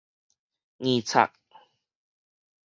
硬插